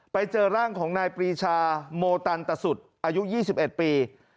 ไปเจอร่างของนายปรีชาโมตันตสุดอายุ๒๑ปี